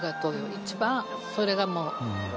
一番それがもう。